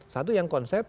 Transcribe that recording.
satu yang konsep